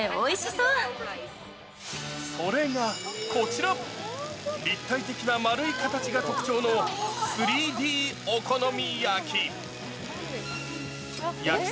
それがこちら、立体的な丸い形が特徴の、３Ｄお好み焼き。